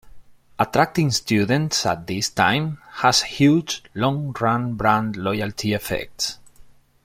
Attracting students at this time has huge long run brand loyalty effects.